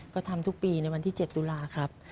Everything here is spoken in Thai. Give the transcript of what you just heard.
ก็ทำทุกปีในวันที่๗ตุลาครับ